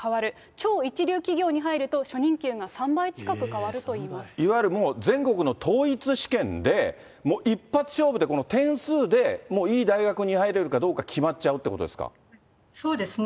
超一流企業に入ると初任給が３倍近く変わるといいまいわゆるもう、全国の統一試験で、一発勝負で点数でもう、いい大学に入れるかどうか決まっちゃうっそうですね。